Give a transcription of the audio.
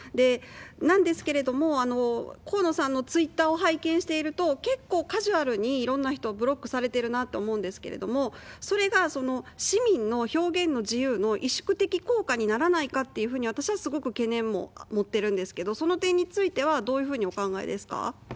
なんですけれども、河野さんのツイッターを拝見していると、結構カジュアルにいろんな人をブロックされてるなと思うんですけれども、それが市民の表現の自由の萎縮的効果にならないかっていうふうに、私はすごく懸念も持ってるんですけど、その点についてはどういうふうにお考えですか。